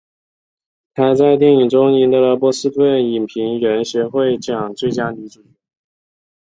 她还在电影中赢得了波士顿影评人协会奖最佳女主角。